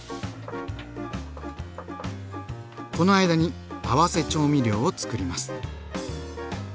この間に合わせ調味料をつくります。